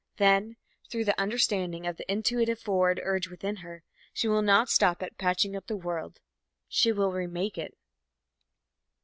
Then, through the understanding of the intuitive forward urge within her, she will not stop at patching up the world; she will remake it.